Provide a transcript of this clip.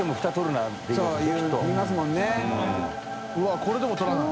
うわっこれでも取らない？